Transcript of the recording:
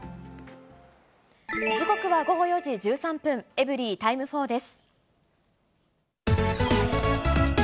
時刻は午後４時１３分、エブリィタイム４です。